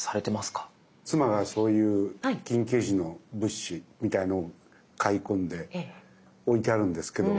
妻がそういう緊急時の物資みたいなのを買い込んで置いてあるんですけど。